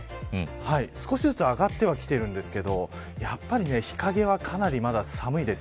少しずつ上がってはきているんですけどやっぱり日陰はかなりまだ寒いです。